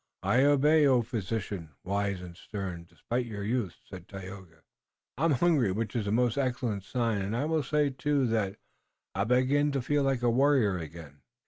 "I obey, O physician, wise and stern, despite your youth," said Tayoga. "I am hungry, which is a most excellent sign, and I will say, too, that I begin to feel like a warrior again."